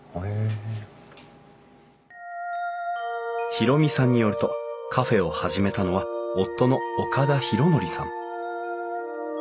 宏美さんによるとカフェを始めたのは夫の岡田浩典さん。